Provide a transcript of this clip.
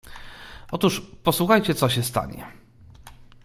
"Otóż posłuchajcie, co się stanie."